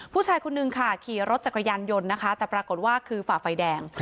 ผู้ชายคนนึงค่ะขี่รถจักรยานยนต์นะคะแต่ปรากฏว่าคือฝ่าไฟแดง